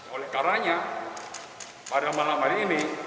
oleh karanya pada malam hari ini